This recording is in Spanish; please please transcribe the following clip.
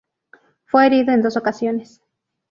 Fue herido en dos ocasiones.